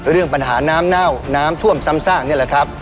เรื่องปัญหาน้ำเน่าน้ำท่วมซ้ำซากนี่แหละครับ